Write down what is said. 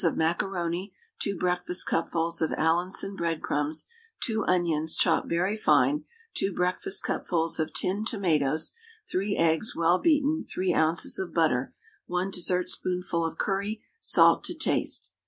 of macaroni, 2 breakfastcupfuls of Allinson breadcrumbs, 2 onions, chopped very fine, 2 breakfastcupfuls of tinned tomatoes, 3 eggs, well beaten, 3 oz. of butter, 1 dessertspoonful of curry, salt to taste.